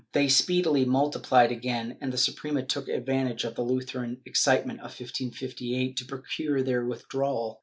^ They speedily multiplied again, and the Suprema took advan tage of the Lutheran excitement of 1558 to procure their with drawal.